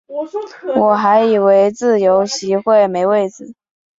我还以为自由席会没位子